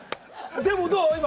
でもどう？